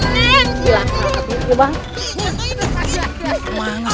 makan mantra tuh